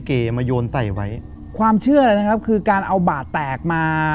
เมื่อกรเต้านี้ความเชื่อเลยนะครับคือการเอาบาดแตกมา